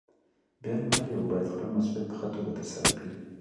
بيا نو هر يو بايد خپل مسؤليت په ښه توګه ترسره کړي.